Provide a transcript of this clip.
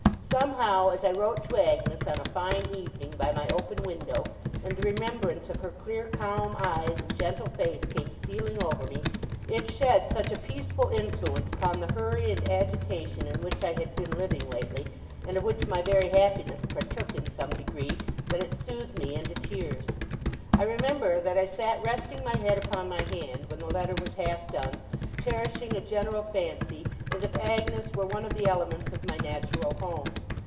Somehow, as I wrote to Agnes on a fine evening by my open window, and the remembrance of her clear calm eyes and gentle face came stealing over me, it shed such a peaceful influence upon the hurry and agitation in which I had been living lately, and of which my very happiness partook in some degree, that it soothed me into tears. I remember that I sat resting my head upon my hand, when the letter was half done, cherishing a general fancy as if Agnes were one of the elements of my natural home.